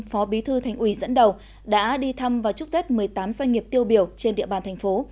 phó bí thư thành ủy dẫn đầu đã đi thăm và chúc tết một mươi tám doanh nghiệp tiêu biểu trên địa bàn thành phố